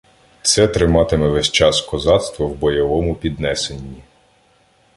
Це триматиме весь час козацтво в бойовому піднесенні.